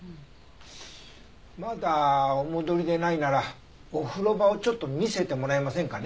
まだお戻りでないならお風呂場をちょっと見せてもらえませんかね？